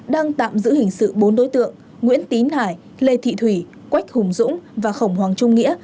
đang tạm giữ hình sự bốn đối tượng nguyễn tín hải lê thị thủy quách hùng dũng và khổng hoàng trung nghĩa